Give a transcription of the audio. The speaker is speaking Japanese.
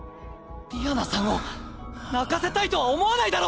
ディアナさんを泣かせたいとは思わないだろ！